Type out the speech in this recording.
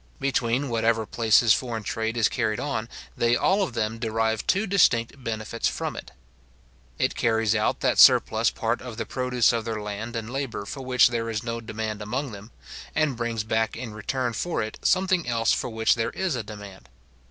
Between whatever places foreign trade is carried on, they all of them derive two distinct benefits from it. It carries out that surplus part of the produce of their land and labour for which there is no demand among them, and brings back in return for it something else for which there is a demand.